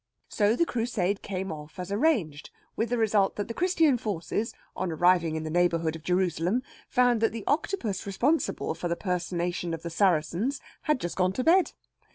So the Crusade came off as arranged, with the result that the Christian forces, on arriving in the neighbourhood of Jerusalem, found that the Octopus responsible for the personation of the Saracens had just gone to bed.